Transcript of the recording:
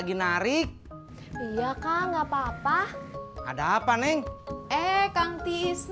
jangan kepok asegat